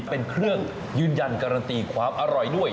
เป็นเครื่องยืนยันการันตีความอร่อยด้วย